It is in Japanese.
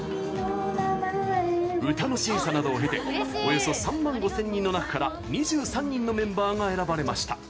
歌の審査などを経ておよそ３万５０００人の中から２３人のメンバーが選ばれました。